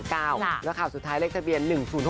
แล้วข่าวสุดท้ายเลขทะเบียน๑๐๖